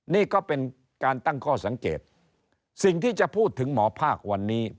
นี่ก็เป็นการตั้งข้อสังเกตสิ่งที่จะพูดถึงหมอภาควันนี้